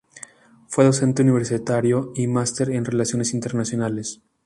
Fue docente universitario y máster en relaciones Internacionales.